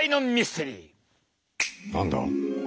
何だ？